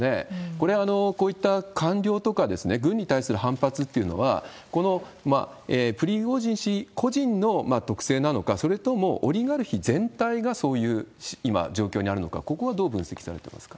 これはこういった官僚とか、軍に対する反発っていうのは、このプリゴジン氏個人の特性なのか、それとも、オリガルヒ全体がそういう今状況にあるのか、ここはどう分析されてますか？